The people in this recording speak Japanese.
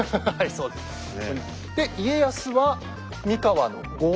そうですね。